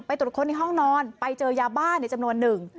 ตรวจค้นในห้องนอนไปเจอยาบ้าในจำนวนหนึ่ง